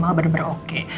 mama benar benar oke